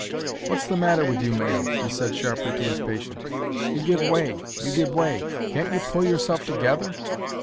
"What's the matter with you, man!" he said sharply to his patient. "You give way! You give way! Can't you pull yourself together?"